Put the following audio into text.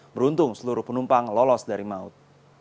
beruntung seluruh penumpang lolos dari maut